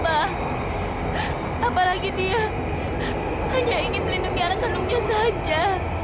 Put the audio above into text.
apalagi dia hanya ingin melindungi anak kandung dia saja